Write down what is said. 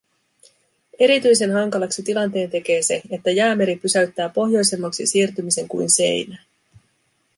Erityisen hankalaksi tilanteen tekee se, että Jäämeri pysäyttää pohjoisemmaksi siirtymisen kuin seinään.